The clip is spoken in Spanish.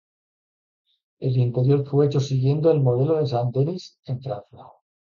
El interior fue hecho siguiendo el modelo de San Denis en Francia.